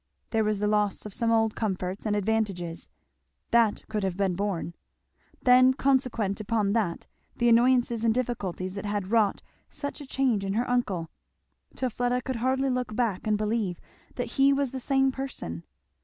There was the loss of some old comforts and advantages, that could have been borne; then consequent upon that, the annoyances and difficulties that had wrought such a change in her uncle, till Fleda could hardly look back and believe that he was the same person.